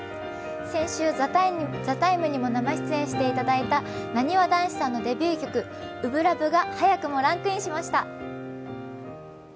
先週、「ＴＨＥＴＩＭＥ，」にも生出演していただいたなにわ男子さんのデビュー曲「初心ＬＯＶＥ」が早くもランクインしました。